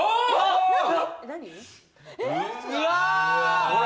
うわ！